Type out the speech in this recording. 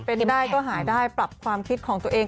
เป็นได้ก็หายได้ปรับความคิดของตัวเอง